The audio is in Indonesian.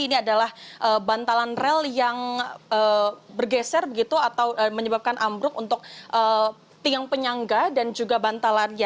ini adalah bantalan rel yang bergeser begitu atau menyebabkan ambruk untuk tiang penyangga dan juga bantalan